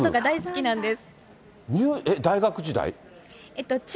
大学時代？